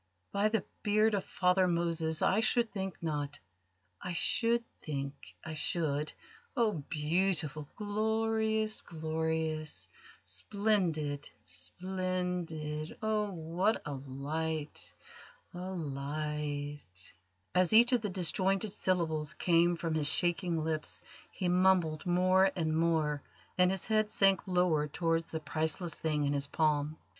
By the beard of Father Moses, I should think not I should think I should oh, beautiful glor glorious splendid did splen oh, what a light li light li oh !" As each of the disjointed syllables came from his shaking lips he mumbled more and more, and his head sank lower towards the priceless thing in his palm.